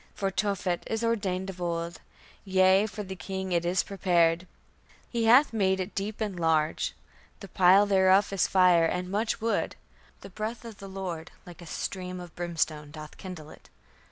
For Tophet is ordained of old; yea, for the king it is prepared: he hath made it deep and large: the pile thereof is fire and much wood: the breath of the Lord, like a stream of brimstone, doth kindle it."